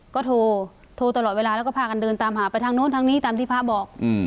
ก็โทรโทรตลอดเวลาแล้วก็พากันเดินตามหาไปทางนู้นทางนี้ตามที่พระบอก